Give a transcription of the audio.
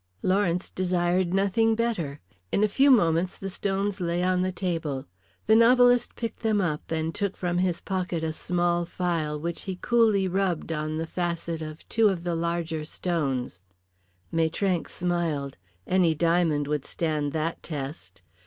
Lawrence desired nothing better. In a few minutes the stones lay on the table. The novelist picked them up, and took from his pocket a small file which he coolly rubbed on the facet of two of the larger stones. Maitrank smiled. Any diamond would stand that test.